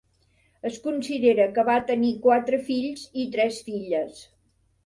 Es considera que va tenir quatre fills i tres filles.